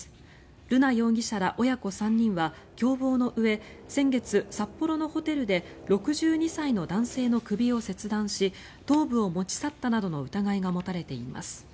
瑠奈容疑者ら親子３人は共謀のうえ先月、札幌のホテルで６２歳の男性の首を切断し頭部を持ち去ったなどの疑いが持たれています。